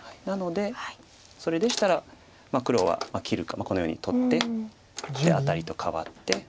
なのでそれでしたら黒は切るかこのように取ってアタリと換わって。